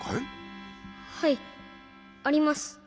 はいあります。